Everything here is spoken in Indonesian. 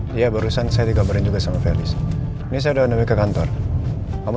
dia barusan saya dikabarin juga sama ferdis ini saya udah ke kantor kamu